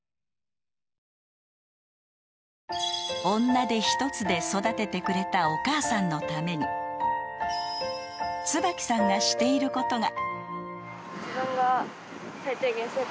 ［女手一つで育ててくれたお母さんのためにつばきさんがしていることが］